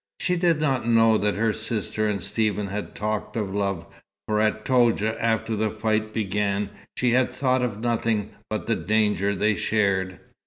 She did not know that her sister and Stephen had talked of love, for at Toudja after the fight began she had thought of nothing but the danger they shared.